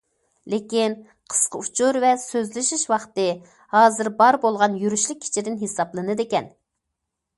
لېكىن، قىسقا ئۇچۇر ۋە سۆزلىشىش ۋاقتى ھازىر بار بولغان يۈرۈشلۈك ئىچىدىن ھېسابلىنىدىكەن.